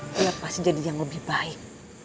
dia pasti jadi yang lebih baik